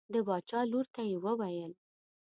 د باچا لور ته یې وویل.